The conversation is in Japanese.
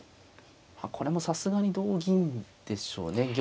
これもさすがに同銀でしょうね。